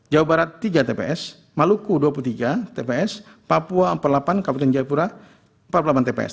jawa barat tiga tps maluku dua puluh tiga tps papua empat puluh delapan kabupaten jayapura empat puluh delapan tps